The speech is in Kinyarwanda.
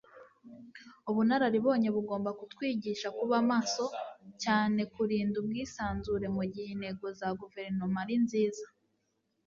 ubunararibonye bugomba kutwigisha kuba maso cyane kurinda ubwisanzure mugihe intego za guverinoma ari nziza